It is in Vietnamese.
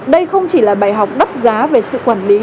đây không chỉ là bài học đắt giá về sự quản lý